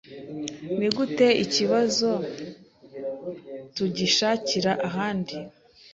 nigute ikibazo tugishakira ahandi